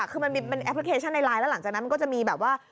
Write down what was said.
คือมันมีเป็นแอปพลิเคชันในไลน์แล้วหลังจากนั้นมันก็จะมีแบบว่า